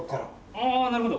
ああなるほど。